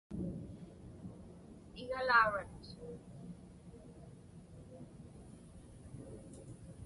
igalaurat